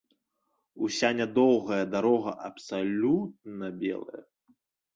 Уся нядоўгая дарога абсалютна белая.